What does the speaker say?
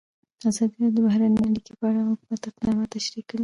ازادي راډیو د بهرنۍ اړیکې په اړه د حکومت اقدامات تشریح کړي.